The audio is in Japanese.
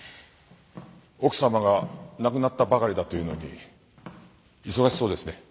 奥様が亡くなったばかりだというのに忙しそうですね。